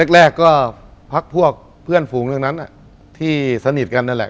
แรกก็พักพวกเพื่อนฝูงเรื่องนั้นที่สนิทกันนั่นแหละ